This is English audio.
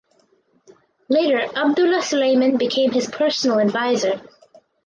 Later Abdullah Suleiman became his personal advisor.